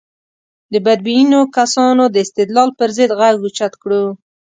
د بدبینو کسانو د استدلال پر ضد غږ اوچت کړو.